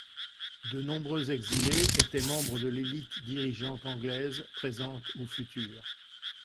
De nombreux exilés étaient membres de l'élite dirigeante anglaise présente ou future.